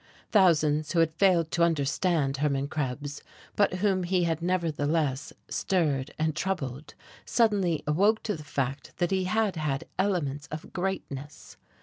Thousands who had failed to understand Hermann Krebs, but whom he had nevertheless stirred and troubled, suddenly awoke to the fact that he had had elements of greatness....